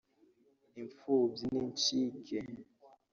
imfubyi n’incike